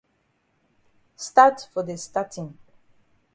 Stat for de statin.